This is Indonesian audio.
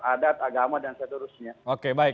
adat agama dan seterusnya